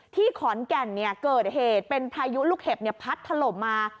ที่ขอนแก่นเนี่ยเกิดเหตุเป็นพายุลูกเห็บเนี่ยพัดถลบมา